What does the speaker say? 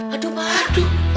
aduh pak aduh